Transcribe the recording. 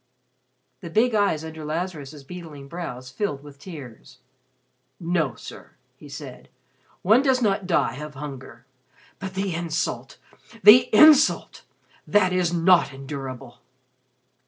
The big eyes under Lazarus' beetling brows filled with tears. "No, sir," he said, "one does not die of hunger. But the insult the insult! That is not endurable."